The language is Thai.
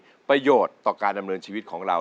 ก็มีประโยชน์การนำเนินชีวิตของเรา